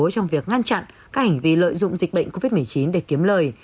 trong việc ngăn chặn các hành vi lợi dụng dịch bệnh covid một mươi chín để kiếm lời